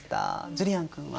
ジュリアン君は？